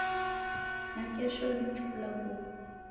Nakesho ni kifulanguw'o